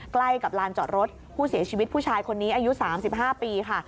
ใกล้กับลานจอดรถผู้เสียชีวิตผู้ชายคนนี้อายุ๓๕ปีค่ะ